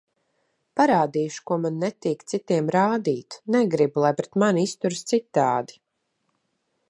Parādīšu, ko man netīk citiem rādīt, negribu, lai pret mani izturas citādi.